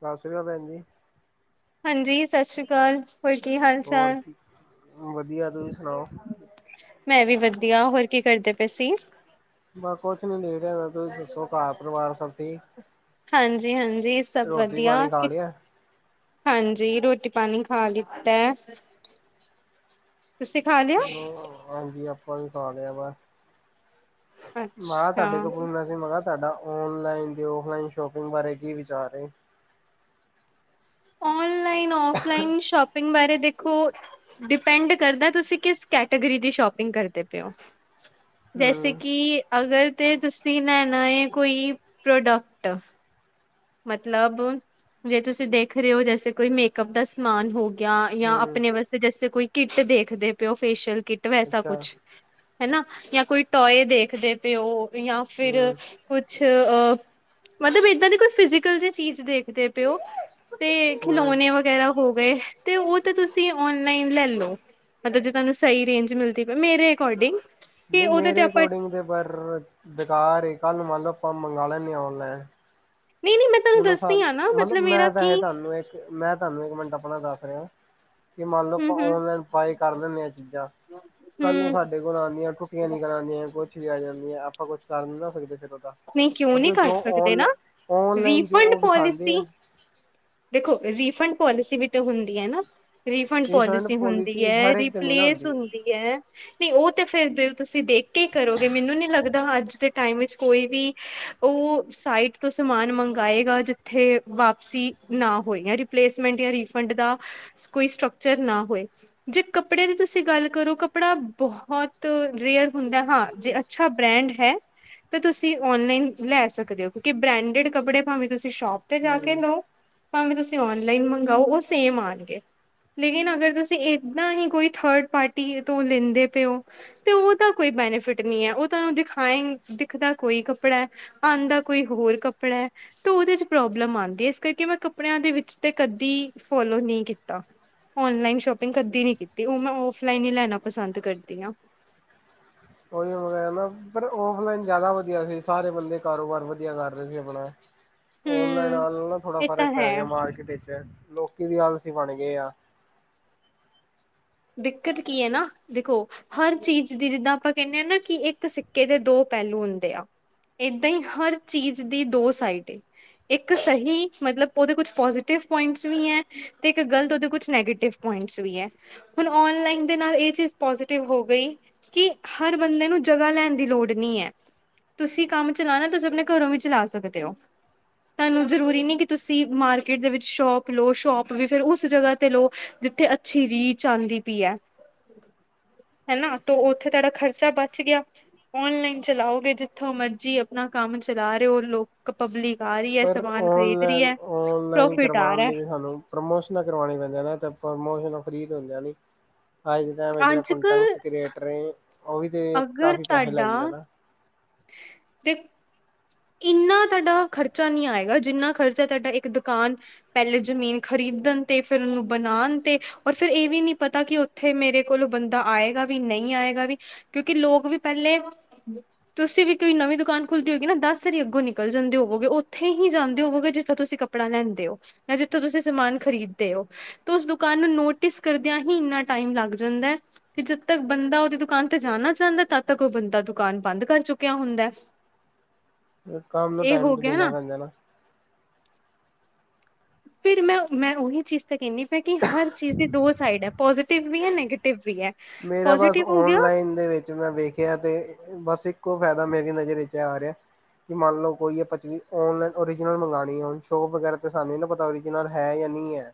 ਸਤਿ ਸ੍ਰੀ ਅਕਾਲ ਭੈਣ ਜੀ। ਹਾਂਜੀ, ਸਤਿ ਸ਼੍ਰੀ ਅਕਾਲ। ਹੋਰ ਕੀ ਹਾਲ? ਹੋਰ ਚਾਲ? ਕੀ ਵਧੀਆ, ਤੁਸੀਂ ਸੁਣਾਓ? ਮੈਂ ਵੀ ਵਧੀਆ, ਹੋਰ ਕੀ ਕਰਦੇ ਪਏ ਸੀ? ਬਸ ਕੁਛ ਨੀ ਲੇਟੇ ਹੋਏ, ਤੁਸੀਂ ਦੱਸੋ ਘਰ ਪਰਿਵਾਰ ਸਭ ਠੀਕ? ਹਾਂਜੀ-ਹਾਂਜੀ ਸਭ ਰੋਟੀ ਵਧੀਆ ਪਾਣੀ ਖਾ ਕਿ ਲਿਆ ਹਾਂਜੀ ਰੋਟੀ ਪਾਣੀ ਖਾ ਲਿੱਤਾ। ਤੁਸੀਂ ਖਾ ਲਿਆ? ਹੈਲੋ ਹਾਂਜੀ ਆਪਾਂ ਵੀ ਖਾ ਲਿਆ ਵਾ। ਮੈਂ ਅੱਛਾ, ਤੁਹਾਡੇ ਕੋਲ ਹੁੰਦਾ ਸੀ। ਤੁਹਾਡਾ ਔਨਲਾਈਨ ਤੇ ਔਫਲਾਈਨ ਸ਼ੋਪਿੰਗ ਬਾਰੇ ਕੀ ਵਿਚਾਰ ਏ? ਔਨਲਾਈਨ, ਫਲਾਈਨ ਸ਼ੋਪਿੰਗ ਬਾਰੇ ਦੇ ਓ ਡਿਪੈਂਡ ਕਰਦਾ ਤੁਸੀਂ ਕਿਸ ਕੈਟੇਗਰੀ ਦੀ ਸ਼ੋਪਿੰਗ ਕਰਦੇ ਪਏ ਹੋ ਜੈਸੇ ਹਮ ਕਿ ਅਗਰ ਤੇ ਤੁਸੀਂ ਲੈਣਾ ਏ ਕੋਈ ਪ੍ਰੋਡਕਟ ਮਤਲਬ ਜੇ ਤੁਸੀਂ ਦੇਖ ਰਹੇ ਹੋ ਜੈਸੇ ਕੋਈ ਮੇਕਅਪ ਦਾ ਸਮਾਨ ਹੋ ਯਾਂ-ਯਾਂ ਹਮ ਆਪਨੇ ਵਾਸਤੇ ਜੈਸੇ ਕੋਈ ਕਿੱਟ ਦੇਖਦੇ ਪਏ ਹੋ, ਫੇਸ਼ੀਅਲ ਕਿੱਟ ਵੈਸਾ ਅੱਛਾ ਕੁਛ। ਹੇਨਾ, ਯਾ ਕੋਈ ਟੋਏ ਦੇਖਦੇ ਪਏਓ, ਯਾਂ ਫਿਰ ਹਮ ਕੁਛ ਅ ਮਤਲਬ ਏਦਾਂ ਦੀ ਕੁਛ ਫਿਜੀਕਲ ਜੀ ਚੀਜ਼ ਦੇਖਦੇ ਪਏ ਓ। ਤੇ ਹਮ ਖਿਲੌਨੇ ਵਗੈਰਾ ਹੋ ਗਏ, ਤੇ ਉਹ ਤਾਂ ਤੁਸੀਂ ਔਨ ਨਹੀਂ ਲੈ ਲੋ, ਮਤਲਬ ਜੇ ਤੁਹਾਨੂੰ ਸਹੀ ਰੇਂਜ ਮਿਲਦੀ ਮੇਰੇ ਅਕੋਰਡਿੰਗ ਕਿ ਨਹੀਂ ਉਹਦੇ ਤੇ ਮੇਰੇ ਆਪਾਂ ਅਕੋਰਡਿੰਗ ਤੇ ਪਰ ਬੇਕਾਰ ਏ ਕੱਲ ਮੰਨ ਲਓ, ਆਪਾਂ ਮੰਗ ਲੈਂਦੇਂ ਆਂ ਔਨਲਾਈਨ ਨਹੀਂ ਨਹੀਂ ਮੈਂ ਤੁਹਾਨੂੰ ਹੁੰਨੇ ਦੱਸਦੀ ਸਨ, ਹਾਂ ਨਾ ਮਤਲਬ ਮੇਰਾ ਮੈਂ ਵੈਸੇ ਕੀ ਤੁਹਾਨੂੰ ਇੱਕ, ਮੈਂ ਤੁਹਾਨੂੰ ਇੱਕ ਮਿੰਟ ਆਪਣਾ ਦੱਸ ਰਿਹਾਂ। ਕਿ ਮੰਨ ਲਓ ਆਪਾਂ ਹਮ ਹਮ ਔਨਲਾਈਨ ਬਾਏ ਕਰ ਲੈਣੇ ਆ ਚੀਜ਼ਾਂ ਕੱਲ ਨੂੰ ਹਮ ਸਾਡੇ ਕੋਲ ਆਦੀਆਂ ਟੁੱਟੀਆਂ ਨੀ ਕਰਾਦੀਆਂ ਕੁੱਛ ਵੀ ਆ ਜਾਂਦੀਆਂ, ਆਪਾਂ ਕੁਛ ਕਰ ਨੀ ਨਾ ਸਕਦੇ ਫਿਰ ਉਹਦਾ। ਕੋਈ ਕਿਓ ਨਹੀਂ ਕਿਉਂਕਿ ਕਰ ਜੋ ਸਕਦੇ ਔਨ ਨਾ, ਵੀ ਔਨਲਾਈਨ ਜੋ ਫੰਡ ਉਹ ਵਿਖਾਉਂਦੇ ਪੋਲਸੀ ਆ ਦੇਖੋ ਰੀਫੰਡ ਪੋਲਸੀ ਵੀ ਤਾਂ ਹੁੰਦੀ ਹੈ ਨਾ ਰੀਫੰਡ ਰਿਫੰਡ ਪੋਲਿਸੀ ਹੁੰਦੀ ਪੋਲਿਸੀ ਹੈ, ਹਰ ਇੱਕ ਤੇ ਨਹੀਂ ਨਾ ਰਿਪਲੇਸ ਹੁੰਦੀ [unintelligible] ਨਹੀਂ, ਉਹ ਤੇ ਫਿਰ ਦੇਖੋ ਤੁਸੀ ਦੇਖ ਕੇ ਹੀ ਕਰੋਗੇ, ਮੈਨੂੰ ਨੀ ਲੱਗਦਾ ਅੱਜ ਦੇ ਟਾਈਮ ਵਿੱਚ ਕੋਈ ਵੀ ਉਹ ਸਾਈਟ ਤੋ ਸਮਾਨ ਮੰਗਾਏਗਾ, ਜਿੱਥੇ ਵਾਪਸੀ ਨਾ ਹੋਏ, ਯਾ ਰਿਪ ਪਲੇਸਮੈਂਟ ਜਾਂ ਰੀਫੰਡ ਦਾ ਕੋਈ ਸਟਕਚਰ ਨਾ ਹੋਏ। ਜੇ ਕੱਪੜੇ ਦੀ ਤੁਸੀਂ ਗੱਲ ਕਰੋ, ਕੱਪੜਾ ਬਹੁਤ ਰੇਅਰ ਹੁੰਦਾ ਹਾਂ ਜੇ ਅੱਛਾ ਬ੍ਰੈਂਡ ਹੈ। ਤੇ ਤੁਸੀ ਔਨਲਾਈਨ ਲੈ ਸਕਦੇ ਹੋ, ਕਿਉਂਕਿ ਬਰੈਂਡੇਡ ਕੱਪੜੇ ਭਾਵੇਂ ਤੁਸੀ ਸ਼ੋਪ ਤੇ ਜਾ ਕੇ ਹਮ ਲਓ। ਭਾਵੇਂ ਤੁਸੀ ਔਨਲਾਈਨ ਮੰਗਾ, ਉਹ ਸੇਮ ਆਨਗੇ। ਲੇਕਿਨ ਅਗਰ ਤੁਸੀਂ ਏਦਾਂ ਹੀ ਕੋਈ ਥਰਡ ਪਾਰਟੀ ਤੋਂ ਲੈਂਦੇ ਪਏ ਹੋ ਤੇ ਉਹਦਾ ਕੋਈ ਬੈਨੀਫਿਟ ਨੀ ਐ, ਉਹ ਤਾਂ ਦਿਖਾਏ ਰੱਖ ਦਾ ਕੋਈ ਕੱਪੜਾ ਆਦਾ ਕੋਈ ਹੋਰ ਕੱਪੜਾ ਹੈ। ਤੇ ਓਹਦੇ ਚ ਪ੍ਰੋਬਲਮ ਆਉਂਦੀ ਏ, ਇਸ ਕਰਕੇ ਮੈਂ ਕੱਪੜਿਆਂ ਦੇ ਵਿਚ ਤੇ ਕਦੀ ਫੋਲੋ ਨਹੀਂ ਕੀਤਾ। ਓਨਲਾਈਨ ਸ਼ੋਪਿੰਗ ਕਦੀ ਨੀ ਕੀਤੀ, ਓਹ ਮੈਂ ਔਫਲਾਈਨ ਹੀ ਲੈਨਾ ਪਸੰਦ ਕਰਦੀ ਹਾਂ। ਓਹੀ ਹੋ ਰਿਹਾ ਨਾ, ਪਰ ਉਹ ਔਫਲਾਈਨ ਜ਼ਿਆਦਾ ਵਧੀਆ ਸੀ, ਸਾਰੇ ਬੰਦੇ ਕਾਰੋਬਾਰ ਵਧੀਆ ਕਰ ਰਹੇ ਸੀ ਆਪਣਾ ਔਨਲਾਈਨ ਹੂੰ। ਆਉਨ ਨਾਲ ਨਾ ਥੋੜਾ ਇਹ ਫਰਕ ਤਾਂ ਪੈ ਹੈ ਗਿਆ ਮਾਰਕੀਟ ਵਿਚ, ਲੋਕੀ ਵੀ ਆਲਸੀ ਬਣ ਗਏ ਆਂ। ਦਿੱਕਤ ਕੀ ਹੈ ਨਾ, ਦੇਖੋ ਹਰ ਚੀਜ ਦੀ, ਜਿੱਹਦਾਂ ਆਪਾਂ ਕਹਿੰਨੇ ਆ ਨਾ ਕਿ ਇੱਕ ਸਿੱਕੇ ਦੇ ਦੋ ਪਹਿਲੂ ਹੁੰਦੇ ਆ। ਇਦਾ ਹੀ ਹਰ ਚੀਜ ਦੀ ਦੋ ਸਾਈਡ ਏ। ਇੱਕ ਸਹੀ, ਮਤਲਬ ਉਹਦੇ ਕੁਛ ਪੋਜ਼ਿਟਿਵ ਪੁਆਇੰਟਸ ਵੀ ਐਂ। ਤੇ ਇੱਕ ਗ਼ਲਤ ਉਹਦੇ ਕੁਛ ਨੈਗੇਟਿਵ ਪੁਆਇੰਟਸ ਵੀ ਹੈ ਹੁਣ ਓਨਲਾਈਨ ਦੇ ਨਾਲ ਏ ਚੀਜ਼ ਪੋਜ਼ਿਟਿਵ ਹੋ ਗਈ। ਕਿ ਹਰ ਬੰਦੇ ਨੂੰ ਜਗਾਹ ਲੈਣ ਦੀ ਲੋੜ ਨੀ ਐ। ਤੁਸੀ ਕੰਮ ਚਲਾਨਾ, ਤੁਸੀ ਆਪਨੇ ਘਰੋਂ ਵੀ ਚਲਾ ਸਕਦੇ ਓ। ਤੁਆਨੂੰ ਜਰੂਰੀ ਨੀ ਕਿ ਤੁਸੀ ਮਾਰਕੀਟ ਦੇ ਵਿੱਚ ਸ਼ੋਪ ਲੋ। ਸ਼ੋਪ ਵੀ ਫਿਰ ਉਸ ਜਗਾਹ ਤੇ ਲੋ, ਜਿੱਥੇ ਚਿਰੀ ਚਲਦੀ ਪਈ ਐ। ਹੈਨਾ, ਤੇ ਉੱਥੇ ਤੁਆਡਾ ਖਰਚਾ ਬਚ ਗਿਆ। ਔਨਲਾਈਨ ਚਲਾਓਗੇ ਜਿੱਥੋਂ ਮਰਜੀ ਆਪਣਾ ਕੰਮ ਚਲਾ ਰਹੇ ਓ ਲੋਕ ਕਿ ਪਬਲਿਕ ਆ ਰਈ ਐ। ਪਰ ਸਮਾਨ ਖਰੀਦ ਰਈ ਔਨਲਾਈਨ ਐ। ਔਨਲਾਈਨ ਪ੍ਰੋਫਿਟ ਆ ਕਰਵਾਉਣ ਰਿਆ। ਲਈ ਵੀ ਸਾਨੂੰ ਪ੍ਰਮੋਸ਼ਨਾਂ ਕਰਵਾਉਣੀਆ ਪੈਂਦੀਆਂ ਨਾ ਤੇ ਪ੍ਰਮੋਸ਼ਨਾਂ ਫਰੀ ਤੇ ਹੁੰਦੀਆ ਨੀ। ਹਾ ਜੇੜਾ ਅੱਜ ਕੱਲ ਕੰਟੀਏਟਰ ਓ ਵੀ ਤੇ ਅਗਰ ਕਾਫੀ ਪੈਸੇ ਲੈ ਤੁਹਾਡਾ ਜਾਂਦਾ ਨਾ ਤੇ ਇੰਨਾ ਤੁਆਡਾ ਖਰਚਾ ਨੀ ਆਏਗਾ। ਜਿੰਨਾ ਖਰਚਾ ਤੁਹਾਡਾ ਇੱਕ ਦੁਕਾਨ ਪਹਿਲੇ ਜ਼ਮੀਨ ਖ਼ਰੀਦਣ ਤੇ ਫਿਰ ਉਹਨੂੰ ਬਣਾਣ ਤੇ ਪਰ ਫਿਰ ਏਹ ਵੀ ਨੀ ਪਤਾ ਕਿ, ਉੱਥੇ ਮੇਰੇ ਕੋਲ ਓ ਬੰਦਾ ਆਏਗਾ ਵੀ ਨਈ ਆਏਗਾ ਵੀ ਕਿਉਂਕਿ ਲੋਕ ਵੀ ਪਹਿਲੇ ਤੁਸੀਂ ਵੀ ਕੋਈ ਨਵੀਂ ਦੁਕਾਨ ਖੁੱਲਦੀ ਹੋਗੀ ਨਾ ਦਸ ਸਰੀ ਅੱਗੋਂ ਨਿਕਲ ਜਾਂਦੇ ਹੋਵੋਗੇ, ਉੱਥੇ ਹੀ ਜਾਂਦੇ ਹੋੋਗੇ ਜਿੱਥਾਂ ਤੁਸੀਂ ਕੱਪੜਾ ਲੈਂਦੇ ਓ। ਨਾ ਜਿੱਥੋਂ ਤੁਸੀਂ ਸਮਾਨ ਖਰੀਦਦੇ ਹੋ। ਤੇ ਓਸ ਦੁਕਾਨ ਨੂੰ ਨੋਟਿਸ ਕਰਦਿਆਂ ਹੀ। ਇਨਾ ਟਾਈਮ ਲੱਗ ਜਾਂਦਾ ਤੇ ਜਦ ਤੱਕ ਬੰਦਾ ਓਦੀ ਦੁਕਾਨ ਤੇ ਜਾਣਾ ਚਾਂਦਾ। ਤਦ ਤੱਕ ਓ ਬੰਦਾ ਦੁਕਾਨ ਬੰਦ ਕਰ ਚੁੱਕਿਆ ਹੁੰਦਾ। ਕੰਮ ਨੂੰ ਇਹ ਟਾਈਮ ਹੋ ਤੋਂ ਗਿਆ ਦੇਣਾ ਪੈਂਦਾ ਐ ਨਾ। ਫਿਰ ਮੈਂ ਮੈਂ ਉਹੀ ਚੀਜ਼ ਤਾਂ ਕੈਨੀ ਪਈ ਵੀ। ਹਰ ਚੀਜ਼ ਦੀ ਦੋ ਸਾਈਡ ਐ ਪੋਜੀ਼ਟਿਵ ਵੀ ਐ ਨੈਗੇਟਿਵ ਵੀ ਐ। ਮੇਰਾ ਬਸ ਔਨਲਾਈਨ ਦੇ ਵਿੱਚ ਮੈਂ ਵੇਖਿਆ ਤੇ ਬਸ ਇੱਕੋ ਫੈਦਾ ਮੇਰੀ ਨਜ਼ਰ ਚ ਆ ਰਿਐ। ਕਿ ਮੰਨ ਲਓ ਕੋਈ ਆਪਾ ਚੀਜ਼ ਓਨਲਾਈਨ ਓਰੀਜਨਲ ਮੰਗਾਣੀ ਹੁਣ ਸ਼ੋਪ ਵਗੈਰਾ ਤੇ ਸਾਨੂੰ ਨੀ ਨਾ ਪਤਾ ਨਾਲ ਹੈ। ਜਾਂ ਨਹੀਂ ਐ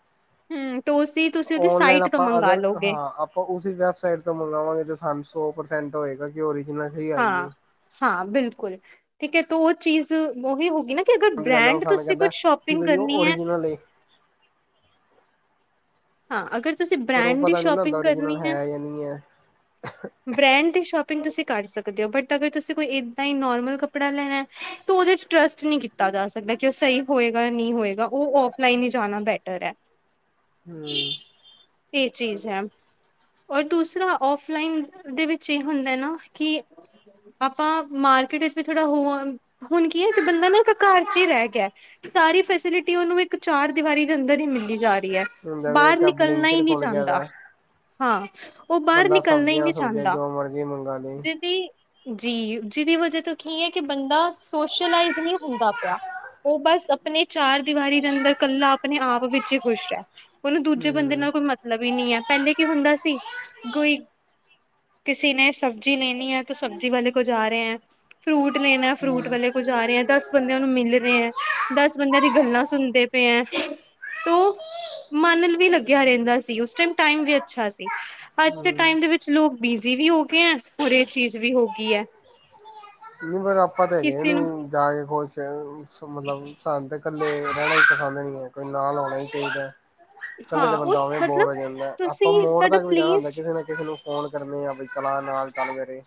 ਹਮ ਤਾਂ ਉਸਦੀ ਤੁਸੀਂ ਉਹਦੀ ਔਨਲਾਈਨ ਸਾਈਟ ਤੋਂ ਆਪਾਂ ਮੰਗਵਾ ਅਗਰ ਲੋਗੇ ਹਾਂ। ਉਸੀ ਵੈਬਸਾਈਟ ਤੋਂ ਮੰਗਾਵਾਂਗੇ। ਜੋ ਸਾਨੂੰ ਸੌ ਪ੍ਰਸੈਂਟ ਹੋਏਗਾ। ਕਿ ਓਰਿਜਨਲ ਹਾਂ-ਹਾਂ ਬਿਲਕੁਲ ਠੀਕ ਐਤਾਂ ਉਹ ਚੀਜ਼ ਉਹੀ ਹੋ ਗੀ ਨਾ ਕਿ ਅਗਰ ਜਾਂਦੇ ਉਹ ਬ੍ਰੈਡ ਸਾਨੂੰ ਤੁਸੀਂ ਕਹਿੰਦਾ ਕੁੱਜ ਕਿ ਸ਼ੋਪਿੰਗ ਬਈ ਉਹ ਕਰਨੀ ਐ ਓਰੀਜਨਲ ਏ ਹਾਂ ਅਗਰ ਤੁਸੀਂ ਬ੍ਰੈਂਡ ਦੀ ਸ਼ੋਪਿੰਗ ਕਰਨੀ ਐ ਏਨੀ ਆ ਬ੍ਰੈਂਡ ਦੀ ਸ਼ੋਪਿੰਗ ਤੁਸੀਂ ਕਰ ਸਕਦੇ ਓ ਬਟ ਅਗਰ ਤੁਸੀਂ ਕੋਈ ਏਦਾਂ ਈ ਨੋਰਮਲ ਕੱਪੜਾ ਲੈਣਾ। ਤੇ ਓਦੇ ਚ ਟਰਸਟ ਨੀ ਕੀਤਾ ਜਾ ਸਕਦਾ ਕਿ ਓ ਸਹੀ ਹੋਏਗਾ ਨਈ ਹੋਏਗਾ ਓ ਔਫਲਾਈਨ ਈ ਜਾਣਾ ਈ ਬੈ ਟਰ ਆ ਹੂੰ। ਏਹ ਚੀਜ਼ ਐ ਔਰ ਦੂਸਰਾ ਔਫਲਾਈਨ ਓਦੇ ਵਿੱਚ ਏ ਹੁੰਦਾ ਨਾ ਕਿ ਆਪਾਂ ਮਾਰਕੀਟ ਵਿੱਚ ਵੀ ਥੋੜਾ ਹੋ ਹੁਣ ਕੀ ਐ ਕਿ ਬੰਦਾ ਨਾ ਇੱਕ ਘਰ ਚ ਈ ਰਹਿ ਗਿਆ। ਸਾਰੀ ਫੈਸਿਲਿਟੀ ਓਨੂੰ ਇੱਕ ਚਾਰ ਦੀਵਾਰੀ ਦੇ ਅੰਦਰ ਈ ਮਿਲੀ ਜਾ ਰਹੀ ਐ। ਹੁਣ ਜਿਵੇਂ ਬਾਹਰ ਇੱਕ ਨਿਕਲਣਾ ਈ ਬਲਿੰਕਟ ਨੀ ਖੁੱਲ ਗਿਆ ਚਾਂਦਾ ਦਾ ਹਾਂ। ਉਹ ਬਾਹਰ ਨਿਕਲਣਾ ਈ ਨੀ ਹੋ ਗਿਆ। ਜੋ ਮਰਜ਼ੀ ਮੰਗਾਲੇ ਜੀ ਜੀਹਦੀ ਵਜ੍ਹਾ ਤੋਂ ਕੀ ਐ। ਕਿ ਬੰਦਾ ਸੋਸ਼ਲਾਈਜ਼ ਨੀ ਹੁੰਦਾ ਪਿਆ। ਓ ਬਸ ਆਪਣੀ ਚਾਰ ਦੀਵਾਰੀ ਦੇ ਅੰਦਰ ਕੱਲਾ ਆਪਣੇ-ਆਪ ਵਿੱਚ ਈ ਖੁਸ਼ ਐ। ਓਨੂੰ ਦੂਜੇ ਬੰਦੇ ਹਮ ਨਾ ਕੋਈ ਮਤਲਬ ਈ ਨੀ ਐ। ਪਹਿਲੇ ਕੀ ਹੁੰਦਾ ਸੀ। ਕੋਈ ਕਿਸੀ ਨੇ ਸਬਜ਼ੀ ਲੈਣੀ ਐ ਤਾਂ ਸਬਜ਼ੀ ਵਾਲੇ ਕੋਲ ਜਾ ਰਹੇ ਐ। ਫਰੂਟ ਲੈਣਾ ਫਰੂਟ ਵਾਲੇ ਕੋ ਜਾ ਰਏ ਆ। ਦਸ ਬੰਦਿਆ ਨੂੰ ਮਿਲ ਰਏ ਆ। ਬੰਦਿਆਂ ਦੀ ਗੱਲਾਂ ਸੁਣਦੇ ਪਏ ਐ ਤੂੰ ਮਨ ਵੀ ਲੱਗਿਆ ਰਹਿੰਦਾ ਸੀ। ਉਸ ਟਾਈਮ ਟਾਈਮ ਵੀ ਅੱਛਾ ਸੀ। ਅੱਜ ਦੇ ਹਮ ਟਾਈਮ ਦੇ ਵਿੱਚ ਲੋਕ ਬੀਜ਼ੀ ਵੀ ਹੋ ਗਏ ਐ, ਔਰ ਏ ਚੀਜ਼ ਵੀ ਹੋ ਗਈ ਐ। ਨਹੀਂ, ਪਰ ਆਪਾਂ ਤਾਂ ਹੈਗੇ ਨੂੰ ਨੀ ਜਾ ਕੇ ਖੁਸ਼ ਮਤਲਬ ਸ ਇਕੱਲੇ ਰਹਿਣਾ ਈ ਪਸੰਦ ਨੀ ਐ। ਕੋਈ ਨਾਲ ਹੋਣਾ ਈ ਚਾਹੀਦਾ ਐ। ਇਕੱਲੇ ਦਾ ਹਾਂ ਬੰਦਾ ਉਹ ਹੋਵੇਂ ਬੋਰ ਮਤਲਬ ਹੋ ਜਾਂਦਾ, ਤੁਸੀਂ ਆਪਾਂ ਮੋੜ ਤੁਹਾਡਾ ਤੱਕ ਵੀ ਦੇ ਜਾਣਾ ਹੁੰਦਾ, ਪਲੇਸ ਕਿਸੇ ਨੇ ਕਿਸੇ ਨੂੰ ਫੋਨ ਕਰਨੇ ਆਪਈ ਸਲਾਹ ਨਾਲ ਗੱਲ ਕਰੇ।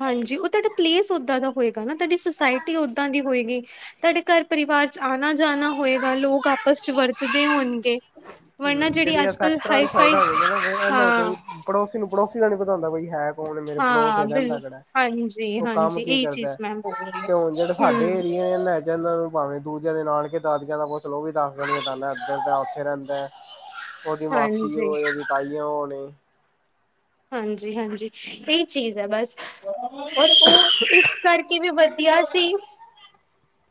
ਹਾਂਜੀ। ਉਹ ਤੁਹਾਡਾ ਪਲੇਸ ਓਦਾਂ ਦਾ ਹੋਏਗਾ, ਨਾ ਤੁਹਾਡੀ ਸੁਸਾਇਟੀ ਓਦਾਂ ਦੀ ਹੋਏਗੀ। ਤੁਹਾਡੇ ਘਰ- ਪਰਿਵਾਰ ਚ ਆਣਾ- ਜਾਣਾ ਹੋਏਗਾ, ਲੋਕ ਆਪਸ ਚ ਵਰਤਦੇ ਹੋਣਗੇ। ਵਰਨਾ ਹੂੰ, ਜਿਹੜੀ ਜਿਹੜੀਆਂ ਅੱਜ ਕੱਲ ਸੈਕਟਰ ਹਾਈ ਵਾਲੀ ਸਾਈਡ ਫਾਈ ਹੋ ਗ ਇਹਨਾ ਹਾਂ ਕੋਈ। ਪੜੋਸੀ ਨੂੰ ਪੜੋਸੀ ਦਾ ਨਹੀਂ ਪਤਾ ਹੁੰਦਾ ਕੋਈ ਹੈ ਬਈ। ਹੁਣ ਮੇਰੇ ਪੜੋਸ ਹਾਂ ਚ ਰਹਿੰਦਾ ਬਿਲ ਕਿੜਾ ਹੈ, ਹਾਂਜੀ ਉਹ ਕੰਮ ਹਾਂਜੀ ਕੀ ਇਹੀ ਚੀਜ਼ ਕਰਦਾ, ਮੈਮ ਬੋਲ ਰਹੀ ਹੈ ਤੇ ਹੁਣ ਜਿਹੜੇ ਸਾਡੇ ਏ ਹਮ ਹੀ। ਲੈ ਜਾਂਦਾ ਨੂੰ ਭਾਵੇਂ ਦੂਜਿਆਂ ਦੇ ਨਾਨਕੇ, ਦਾਦੀਆਂ ਦਾ ਪੋਛ ਲੋ ਉਹ ਵੀ ਦੱਸ ਦੇਣਗੇ ਨਾਨਾ ਇਦਾਂ ਇੱਧਰ ਦਾ, ਉੱਥੇ ਰਹਿੰਦਾ ਹੈ। ਓਦੀ ਮਾਸੀ ਹਾਂਜੀ ਹੋਵੇ, ਉਹਦੀ ਤਾਈਆਂ ਹੋਣ ਹਾਂਜੀ- ਹਾਂਜੀ ਇਹਹੀ ਚੀਜ਼ ਹੈ ਬਸ, ਔਰ ਉਹ ਇਸ ਕਰਕੇ। ਕਿਵੇ ਬੰਨਿਆ ਸੀ।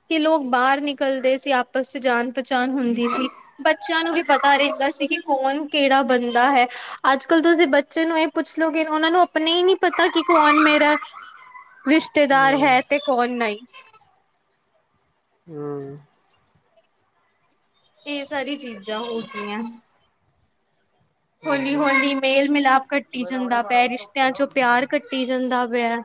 ਕਿ ਲੋਕ ਬਾਹਰ ਨਿਕਲਦੇ ਸੀ, ਆਪਸ ਚ ਜਾਣ ਪਹਿਚਾਣ ਹੁੰਦੀ ਸੀ। ਬੱਚਿਆਂ ਨੂੰ ਵੀ ਪਤਾ ਰਹਿੰਦਾ ਸੀ, ਕਿ ਕੌਣ ਕਿਹੜਾ ਬੰਦਾ ਹੈ। ਅੱਜ ਕੱਲ ਤੁਸੀਂ ਬੱਚੇ ਨੂੰ ਇਹ ਪੁੱਛਲੋਗੇ, ਉਹਨਾਂ ਨੂੰ ਆਪਣੇ ਹੀ ਨੀ ਪਤਾ, ਕਿ ਕੌਣ ਮੇਰਾ ਰਿਸ਼ਤੇਦਾਰ ਹਮ ਹੈ ਤੇ, ਕੌਣ ਨਹੀਂ। ਹੂੰ। ਇਹ ਸਾਰੀ ਚੀਜ਼ਾਂ ਹੋ ਗਈਆਂ। ਹੌਲੀ- ਹੌਲੀ ਮੇਲ ਮਿਲਾਪ ਕੱਟੀ ਜਾਂਦਾ ਹਮ ਪਿਆ। ਰਿਸ਼ਤਿਆਂ ਚੋਂ ਪਿਆਰ ਕੱਟੀ ਜਾਂਦਾ ਪਿਆ।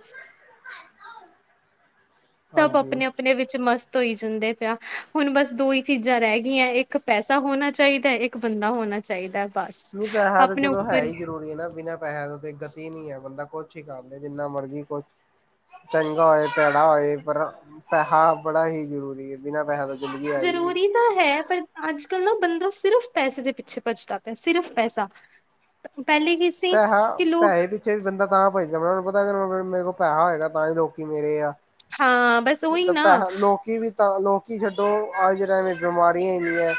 ਸਭ ਹਾਂਜੀ ਆਪਣੇ- ਆਪਣੇ, ਆਪਣੇ ਵਿੱਚ ਮਸਤ ਹੋਈ ਜਾਂਦੇ ਪਿਆ, ਹੁਣ ਬਸ ਦੋ ਹੀ ਚੀਜ਼ਾਂ ਰਹਿ ਗਈਆਂ, ਇੱਕ ਪੈਸਾ ਹੋਣਾ ਚਾਹੀਦਾ ਇੱਕ ਇੱਕ ਬੰਦਾ ਹੋਣਾ ਐ। ਹੋ ਤਾ ਹੈ ਚਲੋ, ਹੈ ਹੀ ਜ਼ਰੂਰੀ ਹੈ ਨਾ ਬਿਨਾਂ ਪੈਸੇ ਤੇ ਗਤੀ ਨੀ ਹੈ ਬੰਦਾ ਕੁਛ ਵੀ ਕਰਲੇ ਜਿੰਨਾ ਮਰਜ਼ੀ ਕੁਛ ਚੰਗਾ ਹੋਏ ਪੈੜਾ ਹੋਏ ਪਰ, ਪੈਸਾ ਬੜਾ ਹੀ ਜ਼ਰੂਰੀ ਹੈ ਬਿਨਾਂ ਪੈਸਾ ਤੋਂ ਜ਼ਿੰਦਗੀ ਹੈ ਹੀ ਨਹੀਂ ਜ਼ਰੂਰੀ ਤਾਂ ਹੈ ਪਰ ਅੱਜ ਕੱਲ ਨਾ ਬੰਦਾ ਸਿਰਫ਼ ਪੈਸੇ ਦੇ ਪਿੱਛੇ ਭੱਜਦਾ ਪਿਆ, ਸਿਰਫ਼ ਪੈਸਾ ਪਹਿਲੇ ਕੀ ਸੀ ਪੈਸਾ ਕਿ ਲੋਕ ਪੈਹੇੇ ਤੇ ਬੰਦਾ ਤਾਂ ਭੱਜਦਾ ਪਿਆ, ਉਹਨੂੰ ਪਤਾ ਮੇਰੇ ਕੋਲ ਪੈਹਾ ਹੋਏਗਾ, ਤਾਂ ਹੀ ਲੋਕੀ ਮੇਰੇ ਆ। ਹਾਂ ਬਸ। ਉਹੀ ਨਾ ਪੈਸਾ ਲੋਕੀ ਵੀ ਤਾਂ ਲੋਕੀ ਛੱਡੋ ਅੱਜ ਟਾਈਮ ਬਿਮਾਰੀਆਂ ਇਨਿਆ ਹੀਂ ਹੈ।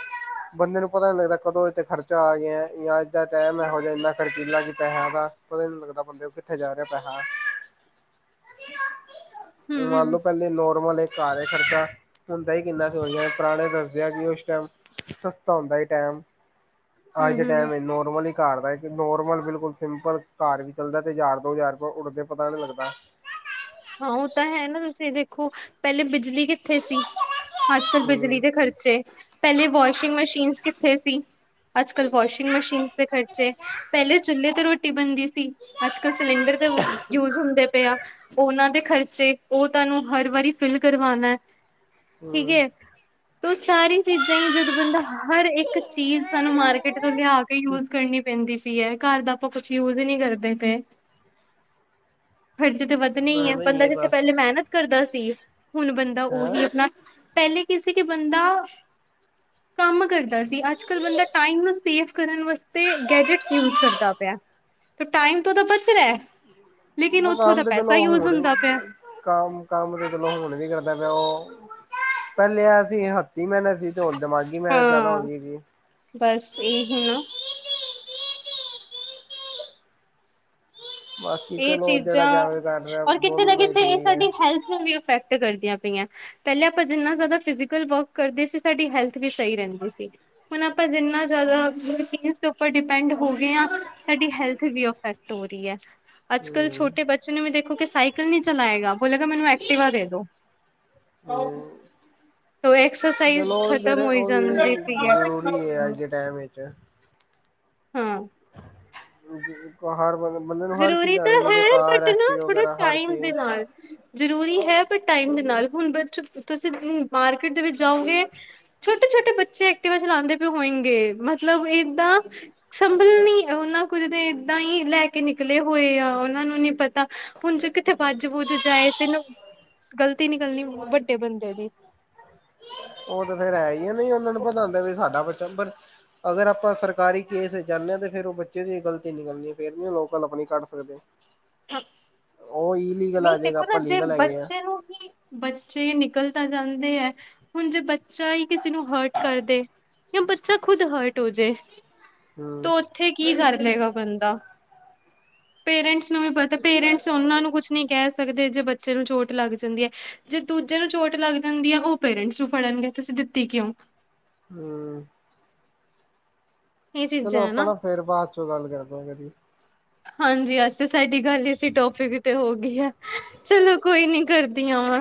ਬੰਦੇ ਨੂੰ ਪਤਾ ਨੀ ਲੱਗਦਾ ਕਦੋਂ ਇੱਥੇ ਖਰਚਾ ਆ ਗਿਆ, ਜਾਂ ਇਦ ਦਾ ਟਾਈਮ ਇਹੋ ਜਿਹਾ ਇੰਨਾ ਖਰਚੀਲਾ ਕੀ ਪੈਸੇਆ ਦਾ- ਪਤਾ ਨੀ ਲੱਗਦਾ ਬੰਦੇ ਕੋ ਉਹ ਕਿੱਥੇ ਜਾ ਰਿਹਾ ਪੈਸਾ। [inaudible] ਮੰਨ ਲੋ ਪਹਿਲੇ ਨੋਰਮਲ ਇੱਕ ਘਾਰਹਾ ਖਰਚਾ। ਹੁੰਦਾ ਹੀ ਕਿੰਨਾ ਹੀ, ਹੁਣ ਜਿਵੇਂ ਪੁਰਾਣੇ ਦੱਸਦਿਆਂ ਕਿ, ਉਸ ਟਾਈਮ ਸਸਤਾ ਹੁੰਦਾ ਸੀ ਟਾਈਮ। ਅੱਜ ਦੇ ਹੂੰ-ਹੂੰ। Time normally. ਘਾਰ ਦਾ ਇੱਕ ਨੋਰਮਲ ਬਿਲਕੁਲ ਸਿੰਪਲ ਘਾਰ ਵੀ ਚੱਲਦਾ ਤੇ, ਹਜ਼ਾਰ ਦੋ ਹਜ਼ਾਰ ਰੁਪਏ ਉੱਡਦੇ ਪਤਾ ਨੀ ਲੱਗਦਾ। ਹਾਂ ਉਹ ਤਾਂ ਹੈ ਨਾ, ਤੁਸੀਂ ਦੇਖੋ ਪਹਿਲੇ ਬਿਜਲੀ ਕਿੱਥੇ ਸੀ, ਅੱਜ ਕੱਲ ਹਮ ਬਿਜਲੀ ਦੇ ਖ਼ਰਚੇ। ਪਹਿਲੇ ਵਾਸ਼ਿੰਗ ਮਸ਼ੀਨ ਕਿੱਥੇ ਸੀ, ਅੱਜ ਕੱਲ ਵਾਸ਼ਿੰਗ ਮਸ਼ੀਨ ਤੇ ਖਰਚ ਪਹਿਲੇ ਚੁੱਲੇ ਤੇ ਰੋਟੀ ਬਣਦੀ ਸੀ, ਅੱਜ ਕੱਲ ਸਿਲੰਡਰ ਤੇ ਯੂਜ ਹੁੰਦੇ ਪਏ ਆ। ਫੋਨਾ ਦੇ ਖਰਚੇ, ਉਹ ਤੁਹਾਨੂੰ ਹਰ ਵਾਰੀ ਫਿਲ ਕਰਵਾਉਣਾ ਹੈ। ਠੀਕ ਹਮ ਏ, ਤੇ ਔ ਸਾਰੀ ਚੀਜ਼ਾਂ ਹੀ, ਜਦੋਂ ਬੰਦਾ ਹਰ ਇੱਕ ਚੀਜ਼ ਸਾਨੂੰ ਮਾਰਕੀਟ ਤੋਂ ਲਿਆ ਕੇ ਯੂਜ ਕਰਨੀ ਪੈਂਦੀ ਸੀ ਐ, ਘਰ ਦਾ ਆਪਾਂ ਕੁਛ ਯੂਜ ਈ ਨਹੀਂ ਕਰਦੇ ਪਏ। ਖਰਚੇ ਤੇ ਵੱਧਣੇ ਹੀ ਹੈ। ਐਵੇਂ ਬੰਦਾ ਜਿੱਥੇ ਬਸ ਪਹਿਲੇ ਮਿਹਨਤ ਕਰਦਾ ਸੀ, ਹੁਣ ਬੰਦਾ ਹੈਂ ਉਹੀ ਆਪਣਾ, ਪਹਿਲੇ ਕਿ ਸੀ ਕਿ ਬੰਦਾ ਕੰਮ ਕਰਦਾ ਸੀ, ਅੱਜ ਕੱਲ ਬੰਦਾ ਟਾਈਮ ਨੂੰ ਸੇਵ ਕਰਨ ਵਾਸਤੇ ਗੈਜਟਸ ਯੂਜ ਕਰਦਾ। ਪਿਆ। ਤੇ ਟਾਈਮ ਤੋਂ ਉਹਦਾ ਬਾ- ਯੂਜ ਹੁੰਦਾ ਪਿਆ [unintelligible] ਕਾਮ, ਕਾਮ ਤੇ ਚਲੋ ਹੁਣ ਵੀ ਕਰਦਾ ਪਿਆ ਉਹ, ਪਹਿਲੇ ਐ ਸੀ, ਹੱਤੀ ਮਹਿਨਤ ਸੀ। ਤੇੁ ਹੁਣ ਦਿਮਾਗੀ ਮਿਹਨਤ ਜ਼ਿਆਦਾ ਹੋ ਹਾਂ ਗਈ ਏ ਕਿ? ਬਸ ਏਹ ਹੀ ਨਾ ਬਾਕੀ ਏਹ ਚਲੋ ਜਿਹੜਾ ਚੀਜ਼ਾਂ, ਜਾਵੇ ਕਰ ਰਿਹਾ ਔਰ ਕਿਤੇ ਨਾ ਦੋਨੋਂ ਹੀ ਕਿਤੇ ਏਹ ਠੀਕ ਹੈ ਸਾਡੀ ਹੈਲਥ ਨੂੰ ਵੀ ਇਫੈਕਟ ਕਰਦੀਆਂ ਪਈਆਂ। ਪੈਲਾਂ ਅਪਾਂ ਜਿੰਨਾ ਜ਼ਿਆਦਾ ਫਿਜ਼ੀਕਲ ਵਰਕ ਕਰਦੇ ਸੀ, ਸਾਡੀ ਹੈਲਥ ਵੀ ਸਹੀ ਰਹਿੰਦੀ ਸੀ। ਹੁਣ ਆਪਾਂ ਜਿੰਨਾ ਜ਼ਿਆਦਾ [unintelligible] ਦੇ ਉਪਰ ਡਿਪੈਂਡ ਹੋ ਗਏ ਆ, ਸਾਡੀ ਹੈਲਥ ਵੀ ਅਫੇ ਟੋ ਰਈ ਏ, ਅੱਜ ਕੱਲ ਹਮ ਛੋਟੇ ਬੱ ਚੇ ਨੂੰ ਵੀ ਦੇਖੋ ਕਿ ਸਾਈਕਲ ਨੀ ਚਲਾਏਗਾ। ਬੋਲੇਗਾ ਮੈਨੂੰ ਐਕਟੀਵਾ ਦੇ ਦੋ। ਆਹੋ। ਹਮ ਤੋਂ ਐਕਸਰਸਾਈਜ਼ ਚਲੋ ਫੇਰ ਖਤਮ ਹੋਈ ਉਹ ਵੀ ਜਾਂਦੀ ਪੀ ਜ਼ਰੂਰੀ ਹੈ ਏ। ਅੱਜ [unintelligible] ਹਾਂ। ਰੁ ਬੀ ਜਿਨ ਕੋ ਹਰ ਵਗਲ ਜ਼ਰੂਰੀ ਤਾਂ ਹੈ, ਬਟ ਨਾ ਥੋੜਾ ਵਗੈਰਾ ਹਰ ਟਾਈਮ ਦੇ ਚੀਜ਼ ਨਾਲ। ਜ਼ਰੂਰੀ ਹੈ, ਪਰ ਟਾਈਮ ਦੇ ਨਾਲ, ਹੁਣ ਬ ਚ ਤੁਸੀਂ ਮਾਰਕੀਟ ਦੇ ਵਿੱਚ ਜਾਉਂਗੇ ਛੋਟੇ-ਛੋਟੇ ਬੱਚੇ ਐਕਟੀਵਾ ਚਲਾਉਂਦੇ ਪਏ ਹੋਏਂਗੇ, ਮਤਲਬ ਏਦਾਂ ਸੰਭਲਣੀ, ਉਹਨਾਂ ਕੁਝ ਤੇ ਏਦਾਂ ਹੀ ਲੈ ਕੇ ਨਿਕਲੇ ਹੋਏ ਆ, ਔਨਾਂ ਨੂੰ ਨੀ ਪਤਾ, ਹੁਣ ਜੇ ਕਿੱਥੇ ਵਾੱਜ ਵੂੱਜ ਜਾਏ, ਤੇ ਨੂੰ ਗਲਤੀ ਨਿਕਲਨੀ ਵੱਡੇ ਬੰਦੇ ਦੀ। ਉਹ ਤੇ ਫੇਰ ਹੈ ਈ ਏ, ਨਈ ਉਹਨਾ ਨੂੰ ਪਤਾ ਹੁੰਦਾ ਵੀ, ਸਾਡਾ ਬੱਚਾ ਪਰ ਅਗਰ ਆਪਾਂ ਸਰਕਾਰੀ ਕੇਸ ਚ ਜਾਂਣੇ ਆ, ਤੇ ਫੇਰ ਉਹ ਬੱਚੇ ਦੀਓ ਗਲਤੀ ਨਿਕਲਣੀ ਏ, ਫੇਰ ਨਈ ਓ ਲੋਕਲ ਆਪਣੀ ਕੱਢ ਸਕਦੇ। [unintelligible] ਹਾਂ ਔਈ ਨਈ ਦੇਖੋ ਨਾ, ਜੇ ਬੱਚੇ ਨੂੰ ਹੀ ਬੱਚੇ ਨਿਕਲ ਤਾਂ ਜਾਂਦੇ ਐ, ਹੁਣ ਜੇ ਬੱਚਾ ਈ, ਕਿਸੀ ਨੂੰ ਹਰਟ ਕਰਦੇ? ਯਾ ਬੱਚਾ ਖੁਦ ਹਰਟ ਹੋ ਜਏ? ਹਮ ਤੋ ਉੱਥੇ ਕੀ ਕਰ ਲਏਗਾ ਬੰਦਾ? ਪੇਰੈਂਟਸ ਨੂੰ ਵੀ ਪ ਤੇ ਪੇਰੈਂਟਸ ਉਹਨਾਂ ਨੂੰ ਕੁਛ ਨਹੀਂ ਕਹਿ ਸਕਦੇ ਜੇ ਬੱਚੇ ਨੂੰ ਚੋਟ ਲੱਗ ਜਾਂਦੀ ਏ, ਜੇ ਦੂਜੇ ਨੂੰ ਚੋਟ ਲੱਗ ਜਾਂਦੀ ਏ, ਉਹ ਪੇਰੈਂਟਸ ਨੂੰ ਫੜਨਗੇ ਤੁਸੀ ਦਿਤੀ ਕਿਉ? ਹੂੰ। ਇਹ ਚੀਜ਼ਾਂ ਚਲੋ ਹੈ ਅਪਾਂ ਨਾ, ਫੇਰ ਬਾਅਦ ਚੋਂ ਗੱਲ ਕਰਦੇ ਆ ਕਦੀ। ਹਾਂਜੀ, ਅੱਜ ਤੇ ਸਾਡੀ ਗੱਲ, ਇਸੀ ਟੋਪਿਕ ਤੇ ਹੋ ਗਈ ਆ। ਚਲੋ ਕੋਈ ਨੀ, ਕਰਦੀ ਆ [unintelligible]